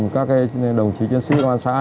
các đồng chí chiến sĩ của an xã